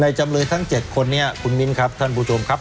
จำเลยทั้ง๗คนนี้คุณมิ้นครับท่านผู้ชมครับ